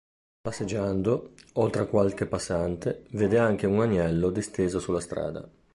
Passeggiando, oltre a qualche passante, vede anche un agnello disteso sulla strada.